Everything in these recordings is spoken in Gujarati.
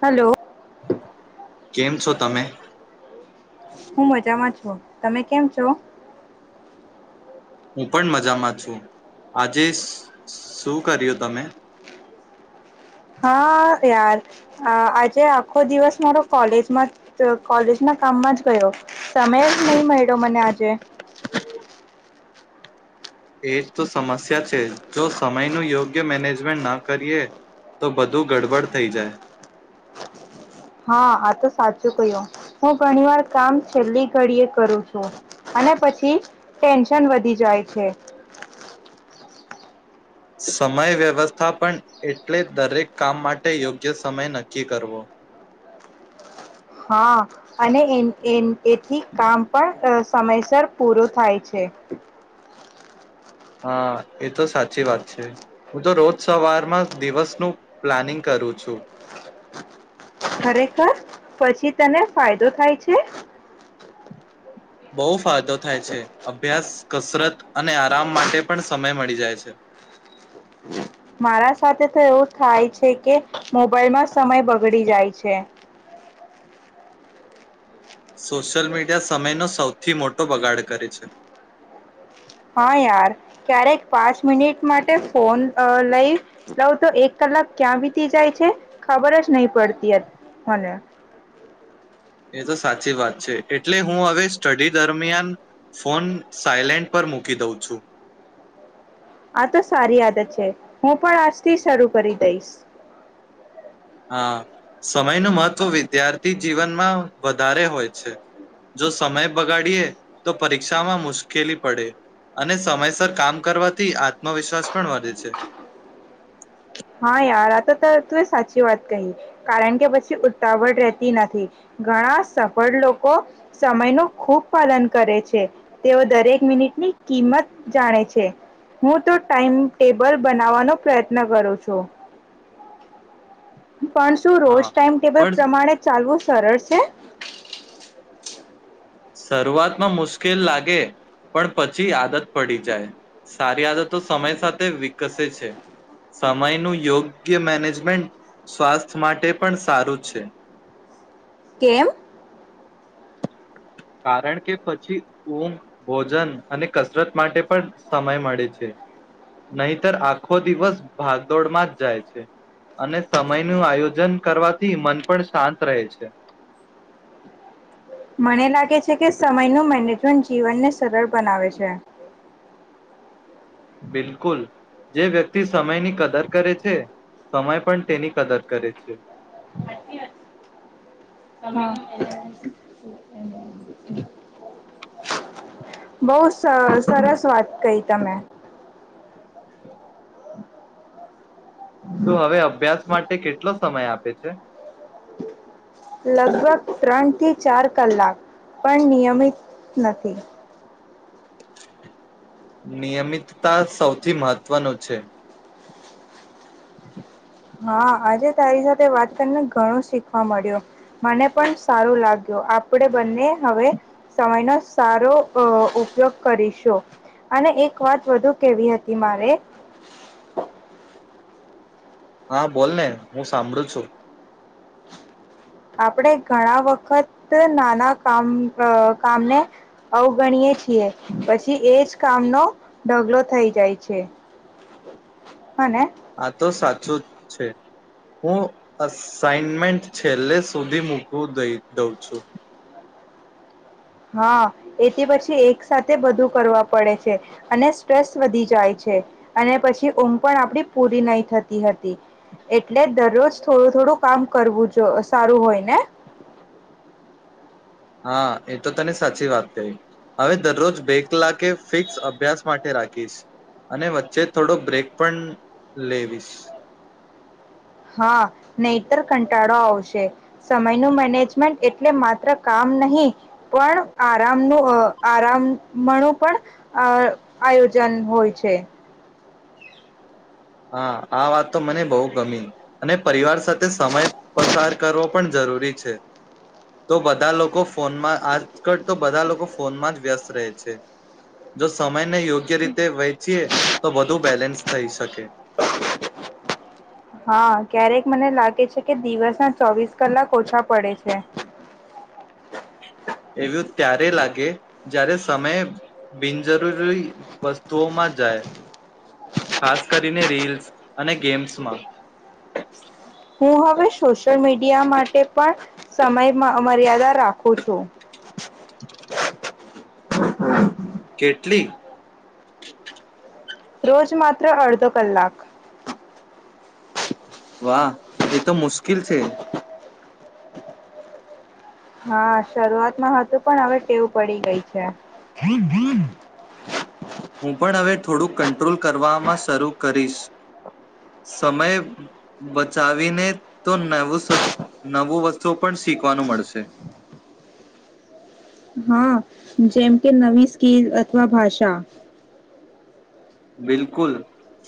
હલો. કેમ છો તમે. હું મજામાં છું તમે કેમ છો. હું પણ મજામાં છું. આજે શું શું કર્યું તમે. હા યાર હા આજે આખો દિવસ મારો કોલેજમાં કોલેજના કામમાં જ ગયો. સમય જ નહી મળ્યો મને જે [inaudible] એ જ તો સમસ્યા છે જો સમયનું યોગ્ય મેનેજમેન્ટ ન કરીએ તો બધું ગડબડ થઈ જાય હા આ તો સાચું ક્યું હું ઘણી વાર કામ છેલ્લી ઘડી એ કરું છું અને પછી ટેન્શન વધી જાય છે સમય વ્યવસ્થાપન એટલે દરેક કામ માટે યોગ્ય સમય નક્કી કરવો હા અને એ એથી કામ પણ સમયસર પૂરું થાય છે હા એ તો સાચી વાત છે હું તો રોજ સવારમાં દિવસનું પ્લાનિંગ કરું છું ખરેખર પછી તને ફાયદો થાય છે બહુ ફાયદો થાય છે અભ્યાસ કસરત અને આરામ માટે પણ સમય મળી જાય છે મારા સાથે તો એવું થાય છે કે મોબાઈલમાં સમય બગડી જાય છે સોશિયલ મીડિયા સમયનો સૌથી મોટો બગાડ કરે છે હા યાર ક્યારેક પાંચ મિનિટ માટે ફોન લઈ લઉં તો એક કલાક ક્યાં વીતી જાય છે ખબર જ નહી પડતી મને એ તો સાચી વાત છે એટલે હું હવે સ્ટડી દરમિયાન ફોન સાયલેન્ટ પર મૂકી દઉં છું આ તો સારી આદત છે હું પણ આજથી શરૂ કરી દઈશ હા સમયનું મહત્વ વિદ્યાર્થી જીવનમાં વધારે હોય છે જો સમય બગાડીએ તો પરીક્ષામાં મુશ્કેલી પડે અને સમયસર કામ કરવાથી આત્મવિશ્વાસ પણ વધે છે હા યાર આ તો ત તું એ સાચી વાત કહી કારણ કે પછી ઉતાવળ રહેતી નથી ઘણા સફળ લોકો સમય ન ખુબ પાલન કરે છે તેઓ દરેક મિનિટની કિંમત જાણે છે હું તો ટાઈમ ટેબલ બનાવવાનો પ્રયત્ન કરું છું તો પણ શું રોજ હા ટાઈમ ટેબલ પણ પ્રમાણે ચાલવું સરળ છે શરૂઆતમાં મુશ્કેલ લાગે પણ પછી આદત પડી જાય સારી આદતો સમય સાથે વિકસે છે સમયનું યોગ્ય મેનેજમેન્ટ સ્વાસ્થ્ય માટે પણ સારું છે કેમ કારણ કે પછી ઊંઘ ભોજન અને કસરત માટે પણ સમય મળે છે નહીતર આખો દિવસ ભાગદોડમાં જ જાય છે અને સમયનું આયોજન કરવાથી મન પણ શાંત રહે છે મને લાગે છે કે સમયનું મેનેજમેન્ટ જીવનને સરળ બનાવે છે બિલકુલ જે વ્યક્તિ સમયની કદર કરે છે સમય પણ તેની કદર કરે છે બહ સરસ વાત કહી તમે તો હવે અભ્યાસ માટે કેટલો સમય આપે છે લગભગ ત્રણથી ચાર કલાક પણ નિયમિત નથી નિયમિતતા સૌથી મહત્વનું છે હા આજે તારી સાથે વાત કરીને ઘણું શીખવા મળ્યું મને પણ સારું લાગ્યો આપણેે બંને હવે સમયનો સારો ઉપયોગ કરીશું અને એક વાત વધુ કેવી હતી મારે હા બોલને હું સાંભળું છું આપણેે ઘણા વખત નાના કામ કામને અવગણીય છીએ પછી એજ કામનો ઢગલો થઈ જાય છે હને આા તો સાચું જ છે હું અસાઇનમેન્ટ છે છેલ્લે સુધી મૂકું દઉં છું હા એથી પછી એક સાથેથે બધું કરવા પડે છે અને સ્ટ્રેસ વધી જાય છે અને પછી ઊમ પણ આપડી પૂરી નહી થતી હતી એટલે દરરોજ થોડું થોડું કામ કરવું જો સારું હોય ને હા એ તો તને સાચી વાત ક હવે દરરોજ બે કલાકે ફિક્સ અભ્યાસ માટે રાખીશ અને વચ્ચે થોડો બ્રેક પણ લેવીશ હા નહીતર કંટાળો આવશે સમયનું મેનેજમેન્ટ એટલે માત્ર કામ નહી પણ આરામનું આરામણું પણ આ આયોજન હોય છે હા આ વાત તો મને બહુ ગમી અને પરિવાર સાથે સમય પસાર પણ જરૂરી છે તો બધા લોકો ફોનમાં આજ તો બધા લોકો ફોનમાં જ વ્યસ્ત રહે છે જો મેને યોગ્ય રીતે વહેંચીએ. તો બધું બેલેન્સ થઈ શકે. હા ક્યારેક મને લાગે છે કે દિવસ ના ચોવીસ કલાક ઓછા પડે છે. એવું ત્યારે લાગે જ્યારે સમય બિનજરૂરી વસ્તુઓમાં જાય ખાસ કરીને રીલ્સ અને ગેમ્સમાં હું હવે સોશિયલ મીડિયા માટે પણ સમયમાં અ મર્યાદા રાખું છું. કેટલી? રોજ માત્ર અડધો કલાક. વાહ! એ તો મુશ્કીલ છે. હા, શરૂઆતમાં હતું પણ હવે ટેવ પડી ગઈ છે. હું પણ હવે થોડુંક કંટ્રોલ કરવામાં શરૂ કરીશ. સમય બચાવીને તો નવું સસ નવું વસ્તુઓ પણ શીખવાનું મળશે. હા જેમ કે નવી સ્કીલ અથવા ભાષા. બિલકુલ,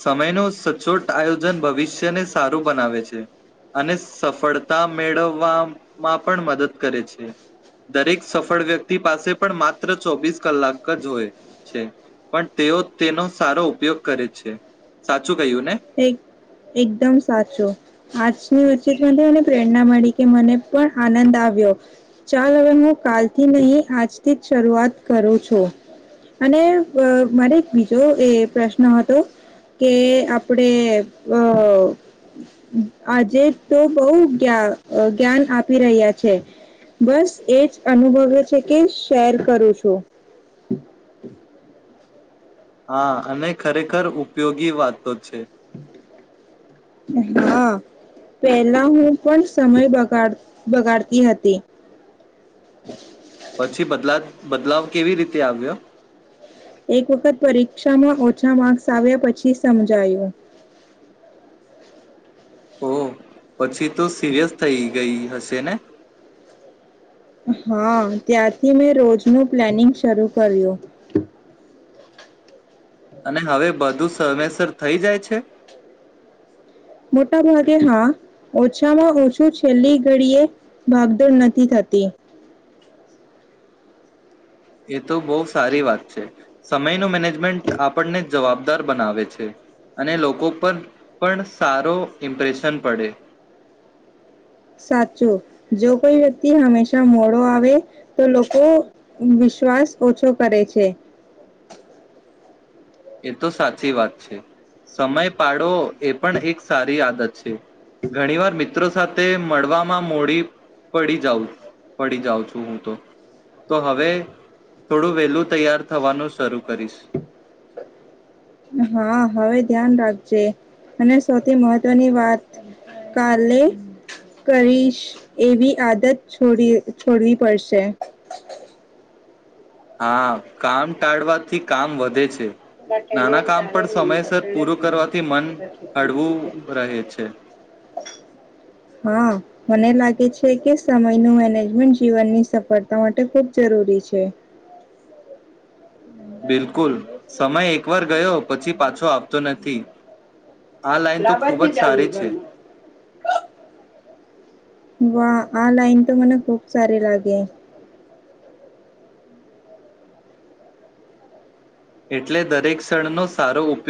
સમયનું સચોટ આયોજન ભવિષ્યને સારું બનાવે છે. અને સફળતા મેળવવામાં પણ મદદ કરે છે. દરેક સફળ વ્યક્તિ પાસે પણ માત્ર ચોબીસ કલાક જ હોય છે. પણ તેઓ તેનો સારો ઉપયોગ કરે છે. સાચું કહ્યું ને એક એકદમ સાચું. આજ [inaudible] એને પ્રેરણા મળી કે મને પણ આનંદ આવ્યો. ચાલ હવે હું કાલથી નહી આજથી જ શરૂઆત કરું છું. અને અ મારે એક બીજો એ પ્રશ્ન હતો કે, આ પળે અ આજે તો બોવ જ્ઞા અ જ્ઞાન આપી રહ્યા છે. બસ એજ અનુભવ્યો છે કે શેર કરું છું. હા, અને ખરેખર ઉપયોગી વાતો છે. હા, પેહલા હું પણ સમય બગાડ બગાડતી હતી. પછી, બદલા બદલાવ કેવી રીતે આવ્યો? એક વખત પરીક્ષામાં ઓછા માક્સ આવ્યા પછી સમજાયું. ઓહ! પછી તો સિરિયસ થઈ ગઈ હશે ને? હા, ત્યારથી મેં રોજનું પ્લાનિંગ શરૂ કર્યું. અને હવે બધું સમયસર થઈ જાય છે? મોટા ભાગે હા. ઓછામાં ઓછું છેલ્લી ઘડીએ ભાગદોડ નથી થતી. એ તો બહુ સારી વાત છે. સમયનું મેનેજમેન્ટ આપણને જવાબદાર બનાવે છે. અને લોકો પર પણ સારો ઇમ્પ્રેશન પડે સાચું! જો કોઈ વ્યક્તિ હંમેશા મોડો આવે તો લોકો વિશ્વાસ ઓછો કરે છે. એ તો સાચી વાત છે. સમય પાડો એ પણ એક સારી આદત છે. ઘણી વાર મિત્રો સા સાથે મળવામાં મોડી પડી જાઉં પડી જાઉં છું હું તો તો હવે થોડું વેલું તૈયાર થવાનું શરૂ કરીશ. હા હવે ધ્યાન રાખજે અને સૌથી મહત્વની વાત કાલે કરીશ એવી આદત છોડી છોડવી પડશે. હા કામ ટાળવાથી કામ વધે છે. [inaudible] નાના કામ પણ સમયસર પૂરું કરવાથી મન હળવું રહે છે હા મને લાગે છે કે સમયનું મેનેજમેન્ટ જીવનની સફળતા માટે ખૂબ જરૂરી છે. બિલકુલ! સમય એકવાર ગયો પછી પાછો આવતો નથી. આ લાઈન તો ખૂબ જ સારી છે. વાહ! આ લાઈન તો મને ખુબ સારી લાગી. એટલે દરેક ક્ષણનો સારો ઉપ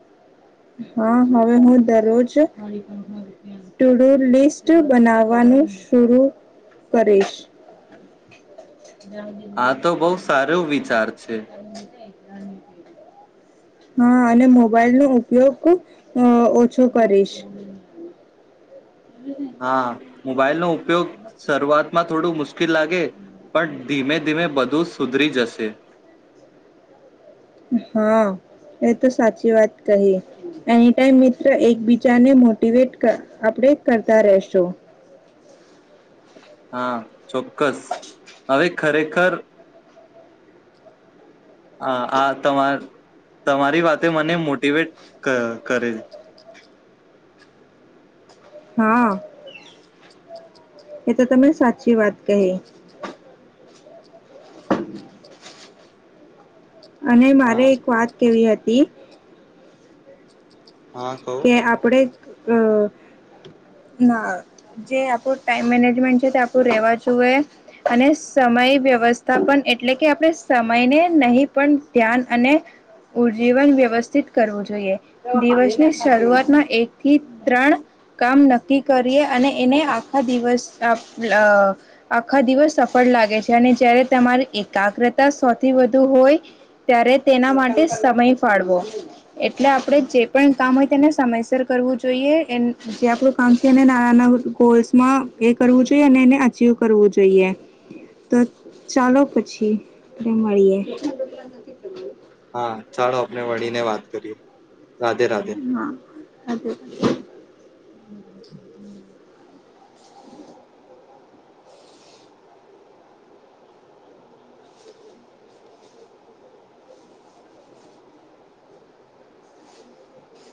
[inaudible] હા હવે હું દરોજ ટુ ડુ લિસ્ટ બનાવવાનું શુરૂ કરીશ. જ્યાં આ તો હુધી બહુ સારો વિચાર છે [inaudible] હા, અને મોબાઈલ નો ઉપયોગ હું ઓછો કરીશ. હા મોબાઈલનો ઉપયોગ શરૂઆતમાં થોડું મુશ્કેલ લાગે પણ ધીમે ધીમે બધું સુધરી જશે. હા, એ તો સાચી વાત કહી એની ટાઈમ મિત્ર એકબીજાને મોટીવેટ ક આપણે કરતા રહેશું. હા. ચોક્કસ. હવે ખરેખર આ આ તમા તમારી વાતે મને મોટીવેટ ક-ક કરે. હા. એ તો તમે સાચી વાત કહી. અને હા મારે એક વાત કેવી હતી. [unintelligible] હા કહું કે આપડે જ અ ના જે આપણું ટાઈમ મેનેજમેન્ટ છે તે આપું રેવા જોએ. અને સમય વ્યવસ્થાપન એટલે કે આપણે સમયને નહી પણ ધ્યાન અને ઉજીવન વ્યવસ્થિત કરવું જોઈએ. દિવસ શરૂઆતમાં એક થી ત્રણ કામ નક્કી કરીએ. અને એને આખા દિવસ અ અ આખા દિવસ સફળ લાગે છે. અને જય્યારે તમારી એકાગ્રતા સૌથી વધુ હોય ત્યારે તેના માટે સમય ફાળવો. એટલે આપણે જે પણ કામ હોય તેને સમયસર કરવું જોઈએ. એન જે આપણું કામ છે એને નાના ના ગોલ્સમાં એ કરવું જોઈએ. અને એને અચીવ કરવું જોઈએ. તો ચાલો પછી મળીએ. હા, ચાલો આપને વળીને વાત કરીએ. રાધે રાધે હા, રાધે રાધે. [inaudible]